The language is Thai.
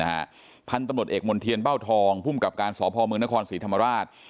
นะฮะพันธุ์ตำรวจเอกมลเทียนเป้าทองผู้กับการสอบภอมือนครศรีธรรมราช